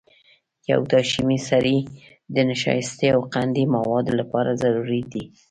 پوتاشیمي سرې د نشایستې او قندي موادو لپاره ضروري دي.